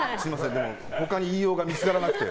でも他に言いようが見つからなくて。